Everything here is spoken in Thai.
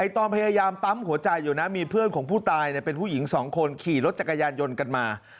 ตอนพยายามปั๊มหัวใจอยู่นะมีเพื่อนของผู้ตายเป็นผู้หญิง๒คนขี่รถจักรยานยนต์กันมา